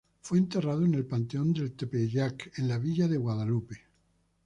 Fue enterrado en el Panteón del Tepeyac de la villa de Guadalupe.